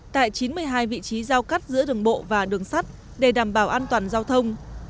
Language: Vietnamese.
tại chín mươi hai vị trí giao cắt giữa đường bộ và đường sắt để đảm bảo an toàn giao thông